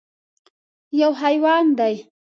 _يو حيوان دی.